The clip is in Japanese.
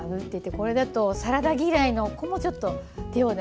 これだとサラダ嫌いの子もちょっと手を出すし。